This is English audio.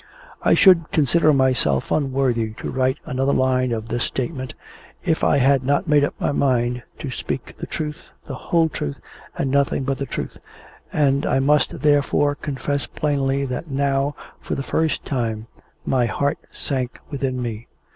I should consider myself unworthy to write another line of this statement, if I had not made up my mind to speak the truth, the whole truth, and nothing but the truth and I must, therefore, confess plainly that now, for the first time, my heart sank within me.